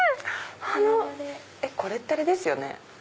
これってあれですよね？